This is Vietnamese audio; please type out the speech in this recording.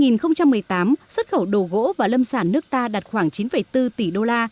năm hai nghìn một mươi tám xuất khẩu đồ gỗ và lâm sản nước ta đạt khoảng chín bốn tỷ đô la